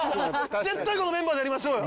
絶対このメンバーでやりましょうよ！